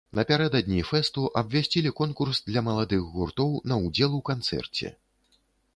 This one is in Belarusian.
Напярэдадні фэсту абвясцілі конкурс для маладых гуртоў на ўдзел у канцэрце.